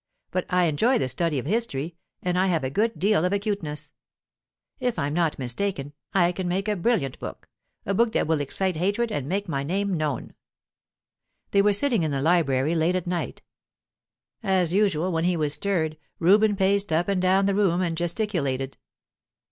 But I enjoy the study of history, and I have a good deal of acuteness. If I'm not mistaken, I can make a brilliant book, a book that will excite hatred and make my name known." They were sitting in the library, late at night. As usual when he was stirred, Reuben paced up and down the room and gesticulated.